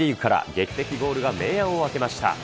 劇的ゴールが明暗を分けました。